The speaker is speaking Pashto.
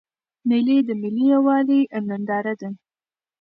مېلې د ملي یوالي ننداره ده.